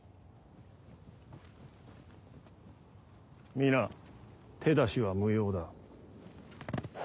皆手出しは無用だ。